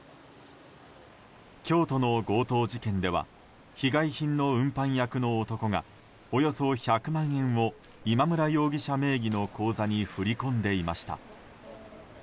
京都の強盗事件では被害品の運搬役の男がおよそ１００万円を今村容疑者名義の口座に振り込んでいました。